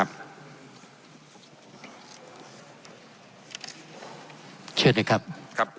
วิชานะครับ